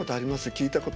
聴いたこと。